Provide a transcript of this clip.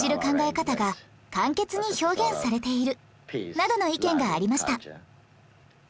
などの意見がありました